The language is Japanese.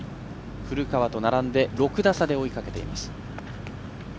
古川と並んで６打差で追いかけています。